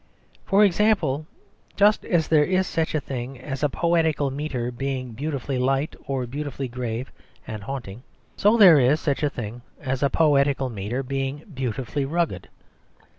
For example, just as there is such a thing as a poetical metre being beautifully light or beautifully grave and haunting, so there is such a thing as a poetical metre being beautifully rugged.